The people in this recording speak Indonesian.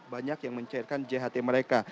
banyak yang mencairkan jht mereka